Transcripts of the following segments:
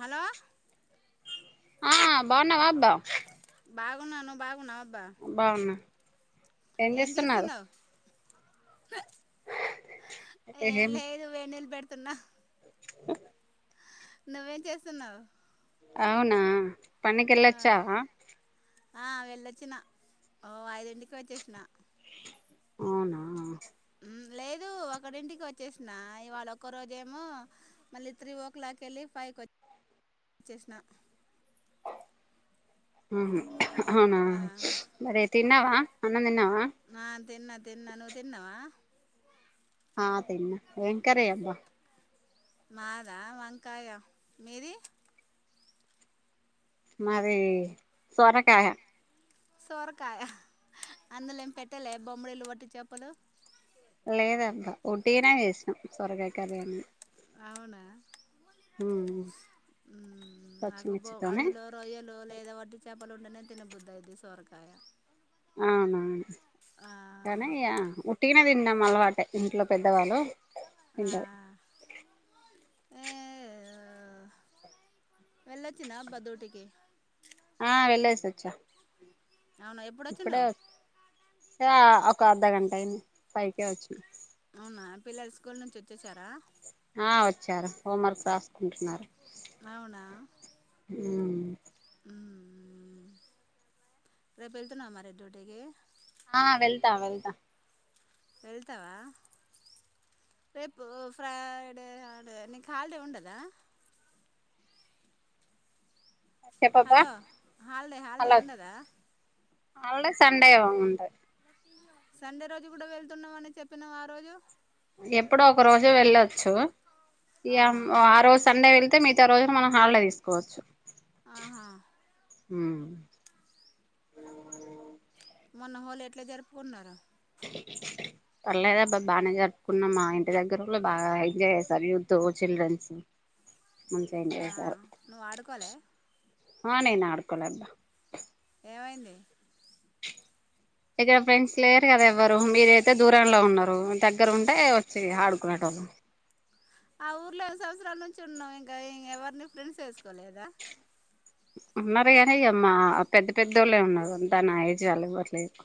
Hello ఆ బాగున్నావా అబ్బా బాగున్నా నువ్ బాగున్నా బాగున్నా ఏం చేస్తున్నారు ఏగెంన్ తున్న [unintelligible] నువ్వేం చేస్తున్నావు అవునా పన్నికలచ్చావ ఆ వెళ్ళొచ్చిన ఓ ఐదింటికి వచ్చేసిన అవునా లేదు ఒకటింటికి వచ్చేసినా ఇవాళ ఒక్క రోజేమో మళ్ళీ త్రీ ఓ క్లాక్ వెళ్ళి ఫైవ్కి వచ్చేసిన ఆహ అవునా మరి తిన్నావా అన్నం తిన్నావా నా తిన్నా తిన్నా నువ్వు తిన్నావా ఆ తిన్న ఏం కరీ అబ్బ మాదా వంకాయ మీది మాది సొరకాయ సొరకాయ అందులో ఏం పెట్టలే బొమ్మడిలు వట్టి చేపలు లేదా అబ్బా ఒటీగానే చేసినం సొరకై కర్రీ ఏమన్నా అవునా హ్మ్ హ్మ్ నాకు బో అందులో రొయ్యలు లేదా వట్టి చేపలు ఉంటేనే తిన బుద్ధి ఐదాది సోర్కయ అవున కానీయ ఉట్టిగనే తిన్నాం అలవాట ఇంట్లో పెద్దవాళ్లు ఆ ఎంటో ఏ ఒ వెళ్ళొచ్చిన అబ్బా దూటికి ఆ వెళ్ళస ఒచ్చా అవునా ఇప్పుడే ఎప్పుడొచ్చినవ్ ఏ ఒక అర్ధగంట అయింది పైకే వచ్చిన అవునా పిల్లల స్కూల్ నుంచి వచ్చేసారా ఆ వచ్చారు హోం వర్క్ రాసుకుంటున్నారు రావునా అ రే పేల త అమారి దటేక ఆ వెళ్తా వెళ్తా వెళ్తావా రేపు ఫ్రైడే నీకు హాలిడే ఉండదా చెప్పబ్బా హలో హల్డే హాలిడే ఉండదా ఆల్డే సండే ఏమి ఏమి ఉంటాయి సండే రోజు కూడా వెళ్తున్నావు అని చెప్పినవ ఆ రోజు ఎప్పుడో ఒక రోజు వెళ్ళొచ్చు ఇక ఆహా ఆ రోజు సండే వేల్ అయితే మిగతా రోజులు మనం హాలీడే తీసుకోవచ్చు ఆహా హ్ మొన్న హోలీ ఎట్లా జరుపుకున్నారు పర్లేదు అబ్బా బాగానే జరుపుకున్నా మా ఇంటి దగ్గర బాగా ఎంజాయ్ చేసారు యూత్ చిల్డ్రన్స్ మంచిగా ఎంజాయ్ ఆ చేశారు నువ్వు ఆడుకోలే ఆ నేను ఆడుకోలే అబ్బా ఏమైంది ఇక్కడ ఫ్రెండ్స్ లేరు కదా ఎవ్వరు మీరయితే దూరంలో ఉన్నారు దగ్గర ఉంటే వచ్చి ఆడుకునేటోళ్ళు ఆ ఊర్లో సంవత్సరాల నుంచి ఉన్నాం ఇంకా ఇం ఎవరిని ఫ్రెండ్స్ వేసుకోలేదా ఉన్నారు కానీ అయ్యమ్మా పెద్ద పెద్దోళ్ళు ఉన్నారు అంతా నా ఏజ్ వాళ్ళు ఎవరు లేరు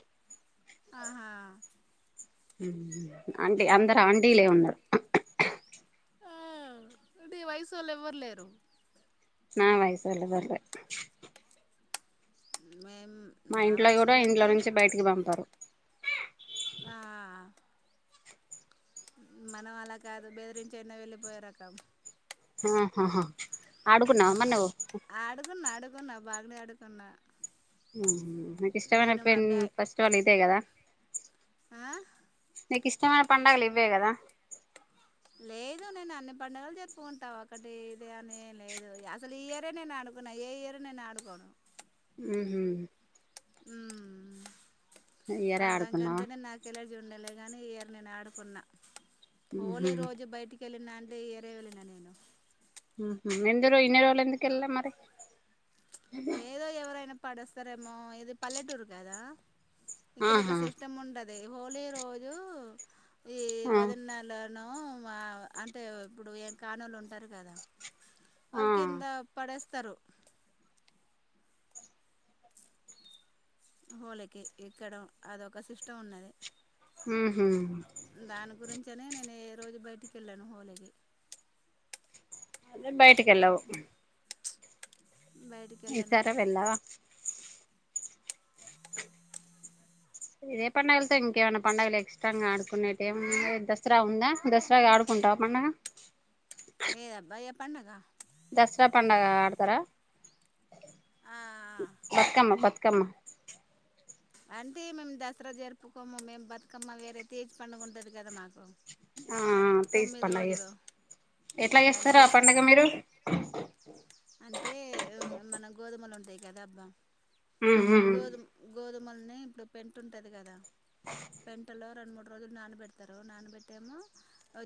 ఆహా అంటె అందరు అంటి లే ఉన్నారు ఆ అంటే వయసు వాళ్ళు ఎవ్వరు లేరు నా వయసు వాళ్ళు ఎవరు లేరు మేము నా ఇంట్లో వయసు కూడా ఇంట్లో వాళ్ళంటే నుంచి బయటికి పంపరు ఆ మనం అలా కాదు బెదిరించే అయినా వెళ్ళిపోయే రకం ఆహా ఆడుకున్నావమ్మ నువ్వు అన్నా బాగానే ఆడుకున్నా నీకు ఇష్టమైన నేను మా పెన్ బ్యా ఫస్ట్ వన్ ఇదే కదా ఆ నీ ఇష్టు చానా పండుగలు ఇవ్వే కదా లేదు నేను అన్ని పండుగలు జరుపుకుంటా ఒకటి ఇది అని లేదు అసలు ఈ ఇయరే నేను ఆడుకున్నా ఏ ఇయర్ నేను ఆడుకోను ఊహు హు ఆ ఇయరే ఆడుకున్నావా రంగంటేనే నాకులాంటి చూండేలే గాని ఇయరు నేను ఆడుకున్నా ఉహు హోళీ రోజే బైటికి కెలినా అంటే ఈ ఇయర్ ఏ వెళ్ళినా నేను ఉహు ఇన్ని ఎందుకు వెళ్ళ లా మరి ఏదో ఎవరైనా పడివేస్తారు ఏమో ఇది పల్లెటూరు కాదా ఇక్కడ ఒక ఆహా సిస్టమ్ ఉండదు అదే హోళీ రోజు ఈ ఆ వరండాలోనో అంటే ఇప్పుడు ఏం కానోలుు ఉంటారు కదా ఆ అల్ కింద పడస్తారు తరు హోళకి ఇక్కడం అద ఒక సిస్టమ్ ఉన్నది హ హ చ్చనే నేను రోజు బయటికి వెళ్ళాను హోలీకి బయటకిలా బయటికి వెళ్ళాను ఈసారే వెళ్లా ఇదే పండుగలతో ఇంకేమైనా పండుగలు ఇష్టంగా ఆడుకునేటు ఏమ ఆ దసరా ఉందా దసరా ఆడుకుంటావు పండుగ ఏ అబ్బాయి పండగా దసరా పడుగ ఆడతారా ఆ బతుకమ్మ బక క్కమ్మ అంటే మేము దసరా జరుపుకోము మేము బతుకమ్మ వేరే తజి పండుగ ఉంటది కదా మాకు ఆ తీసి తొమ్మిది పండుగ రోజులు చేసు ఎట్లా అదే చేస్తారు ఆ జస్ పడుగ మీరు స అంటే మన గోధుమలు ఉంటాయి కదా అబ్బా ఉహు గోది గోది గోధుమలని ఇప్పుడు పెంటు ఉంటది కదా పెంటలో రెండు మూడు రోజులు నానబెడతారు నానబెట్టేమో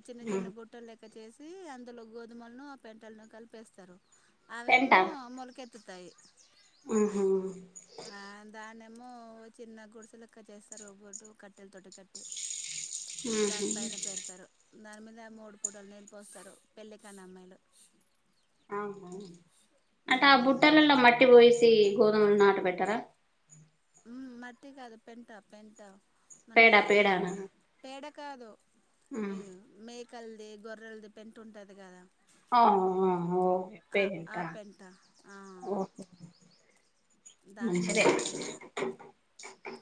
చిన్న చిన్న బుట్టలు లెక్క చేసి అందులో గోధుమలను ఆ పెంటలను కలిపేస్తారు అవేమో మొలకెత్ పుత్తాయి ఊహూ ఆ దాన్నేమో చిన్న గుడిసెలెక్క చేస్తారు ఒగోటు కట్టెలతోటి కట్టి ఆహా దానిపైన పెడతారు దాని మింద మూడు పూటలు నీళ్ళు పోస్తారు పెళ్ళి కాని అమ్మాయిలు ఉమ్ ళ్ మట్టటి పోయిసి గోధమలు నాట పెట్టార ఉ మట్టిగా అదు పెంటా పెంటా మన పేడ పేడనా పేడ కాదు ఈ మే క్కలిది గొర్రెలది పెంట ఉంటది కదా ఆ ఓ ఆ ఆ పేంటా పెంట ఆ ఓహో దాంట్లో మంచిదే పెడతారు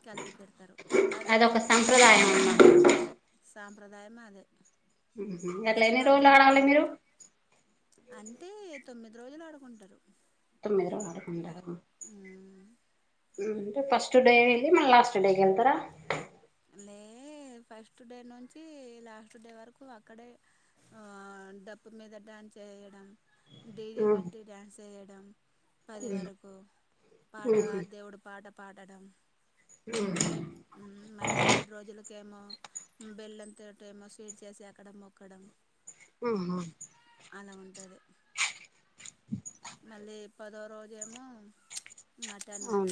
కలిపి పెడతారు అదే అదొక మట్టి సంప్రదాయం కాదు అన్నమాట సాం ప్రదాయమా అది గట్ల ఎస్ట్ ఎన్ని వాళు రోజులు ఆడాలి మీరు జరుపుకునేది అంటే తొమ్మిది రోజులు ఆడుకుంటారు తోమ్మిది రో [inaudible] ఆడుకుంటారా ఉమ్మ్ [inaudible] ఫస్ట్ డే ఎళ్ళి మళ్ళ లాస్ట్ డేకెళ్తారా లే ఫస్ట్ డే నుంచి లాస్ట్ డే వరకు అక్కడే డప్పు మీద డాన్స్ ఎయ్యడం డి జె ఉహు పెట్టి డ్యాన్స్ చేయడం పది వరకు పాట దేవుడు పాట పాడడం హ్మ్ ఉమ్మ్ మళ్ళీ ఏడు రోజులకేమో బెల్లంతోటేమో స్వీట్ చేసి అక్కడ మొక్కడం ఊహూ అలా ఉంటది మళ్ళీ పదో రోజేమో మటను అవును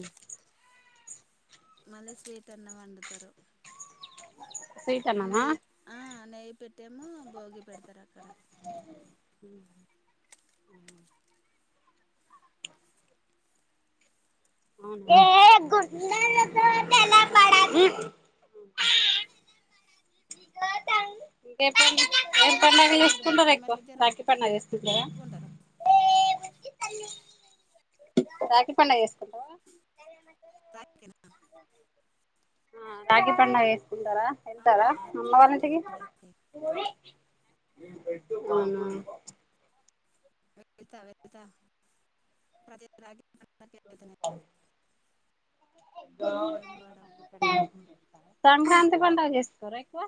మళ్ళీ స్వీటన్నం వండుతారు స్వీటన్నమా నెయ్యి ఆ నెయ్యి పెట్టేమో భోగి పెడతారు అక్కడ ఉమ్మ్ అవునా అ ఏటన్ ఏ పండుగ మీరు చేస్తుంటారా ఎక్కువ బతుకమ్మలు రాకీ పడుగ చేస్తుంటారా జరుపుకుంటారు రాగి పండుగ చేసుకుంటావా దక తాకీ పవే ఉంటారా ఆ, ఎంతారా అమ్మవారింటికి చేసుకుంటాం రాఖీ అవునా వెళ్తా వెళ్త ప్రతి [unintelligible] వెళ్తాను నేను ఈ ఐదు వందడం సంక్రాంతి పండగ చేస్కోరా ఎక్కువ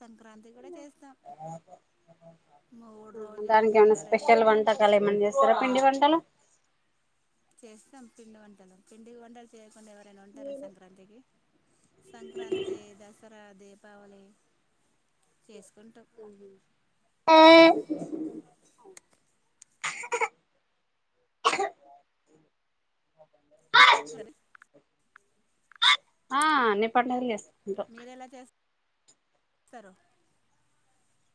సంక్రాంతి కూడా చేస్తాం మూడు రోజులు దానికి ఏమైనా కల్లర్ స్పెషల్ ఎయ్యడం వంటకాలు ఏమన్నా చేస్తారా పిండి వంటలు చేస్తాం పిండి వంటలు పిండి వంటలు చే కుండెవరన్నా ఉంటారా సంక్రాంతికి సంక్రాంతి దసరా దీప్ కావాలి చేస్ ఆ మరి ఆ అన్ని పడుడుగలు చేస్తా ఉంటం సో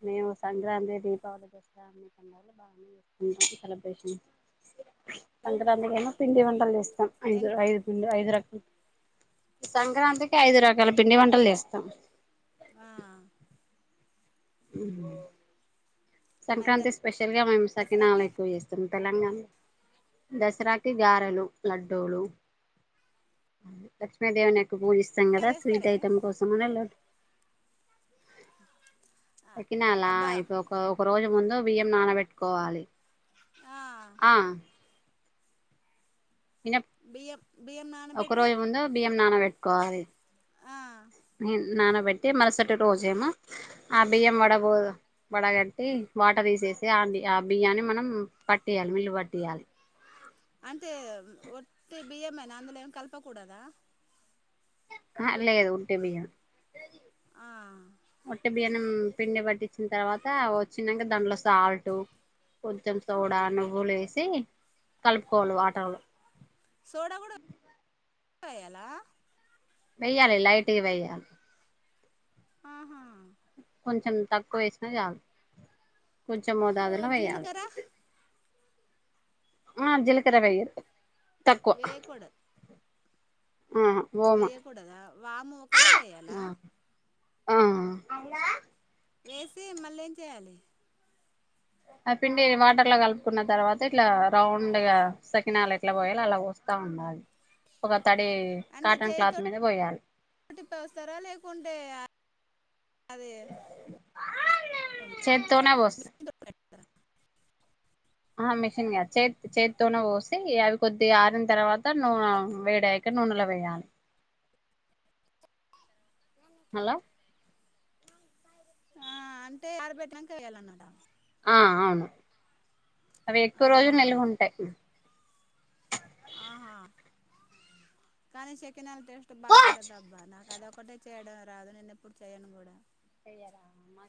మేము సంక్రాంతి దీపావళి దసరా అన్ని పండలు బాగానేంటా సెలబ్రేషన్ పంటరాంది కనా ఇంటి వంటలు చేస్తే ఐదు ఏంటి బా ఐదు ఐదురాక్ సంక్రాంతికి ఐదు రకాల పిండి వంటలు చేస్తాం ఆ మరి సంక్రాంతి స్పెషల్ గా మేము సకినాాలా దసరాకి ఎక్కువ చేస్తాం తెలంగాణ దసరాకి గారెలు లడ్డూలు లక్ష్మీదేవిని పూజిస్తాం కదా స్వీట్ చేస్తారే ఐటమ్ కోసంని వెలడు ఆ, ఎకినాల అబ్బా అయిపో కౌ ఒక రోజు ముందు బియ్యం నానబెట్టుకోవాలి ఆ ఇనప్ బియ్యం బియ్యం ఒక నానబెట్టి రోజు ముందు బియ్యం నానవెట్ ఆ నానబెట్టి మరుసటి రోజేమో ఆ బియ్యం వడబో వడగట్టి వాటర్ తీసేసి ఆ బియ్యాన్ని మనం పట్టేయాలి మిల్లు పట్టేయాలి అంటే ఒట్టటి బియ్యమైనా అందులో ఏమి కలపకూడదా అ లేదు ఉంటే బయ్యను ఆ మట్టే బియనం పిండి పట్టించిన తర్వాత వచ్చినక దాంట్లో సాల్ట్ కొంచెం సోడా నువ్వులు వేసి కలుపుకోవాలి ఆటలు సోడా కూడ వయలా వెయ్యాలే లైట్ గా వెయ్యాల్ ఆహా కొంచెం తక్కువ ఏసిన చాల్ కొంచం మోతాదు లా వేయాలి జీలకర్ర ఆ జీలకర వేయర్ వేకూడ ఆ ఓమా వేయ్యకూడదా వాము ఒక్కటే వేయాలా. ఆ వేసి మళ్ళీ ఏం చేయాలి. ఆ పిండి వాటర్ లో కలుపుకున్న తర్వాత, ఇట్లా రౌండ్ గా సకినాలు ఎట్లా పోయాలో అలా వోస్తా ఉండాలి ఒక త్. తడి అంటే కాటన్ చేయి క్లాత్ మీద పోయాల్ తోటి అదే చేత్తోనే పోస్తా ఆ మిషన్గాద చేతి చేతితోనే పోసి అవి కొద్దిగా ఆరిన తర్వాత నూనె వేడి అయాక నూనెలో వేయాలి హలో ఆ అంటే ఆరబెట్టినాక వేయాలన్నట ఆ అవును అవి ఎక్కువ రోజులు ఆహా నిలువ ఉంటాయి ఆహా కానీ చె చకినాల టేస్ట్ బాగుంటందిబ్బ నాకు అద ఒకటే చేయడం రాదు నేను ఎప్పుడు చేయను కూడా అ్య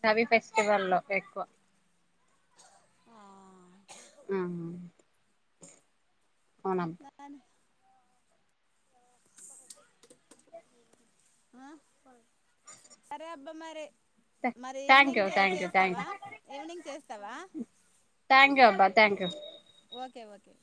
కవి ఫెస్టివల్ లో ఎక్కువ ఆ అన అరే అబ్బా మర మరి థ్యాంక్ యూ ఈవినింగ్ చే థ్యాంక్ యూ థ్యాంక్ చేస్తావా యూ ఈవినింగ్ చేస్తావా థ్యాంక్ యూ అబ్బా థ్యాంక్ ఓకేవాకే